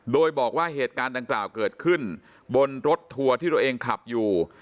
โดยบอกว่าเหตุการณ์ดังกล่าวเกิดขึ้นบนรถทัวร์ที่ตัวเองขับอยู่